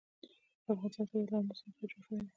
د افغانستان طبیعت له آمو سیند څخه جوړ شوی دی.